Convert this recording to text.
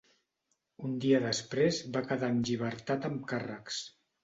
Un dia després va quedar en llibertat amb càrrecs.